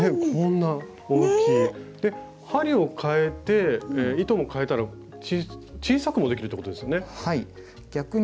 こんな大きい針をかえて糸もかえたら小さくもできるってことですよね。